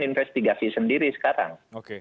investigasi sendiri sekarang